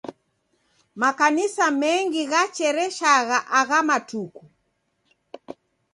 Makanisa mengi ghachereshaghaagha matuku.